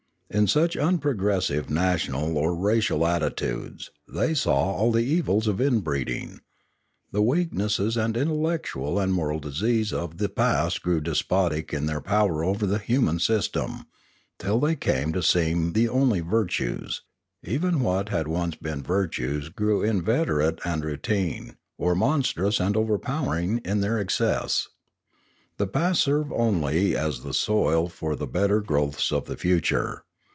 In such unprogressive national or racial attitudes they saw all the evils of inbreeding; the weaknesses and intellectual and moral diseases of the past grew despotic in their power over the human sys tem, till they came to seem the only virtues; even what had been once virtues grew inveterate and routine, or monstrous and overpowering in their excess. The past served only as the soil for the better growths of the future.